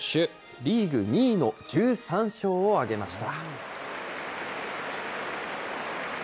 リーグ２位の１３勝を挙げました。